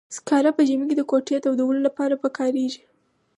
سکاره په ژمي کې د کوټې تودولو لپاره کاریږي.